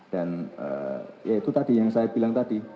dan ya itu tadi yang saya bilang tadi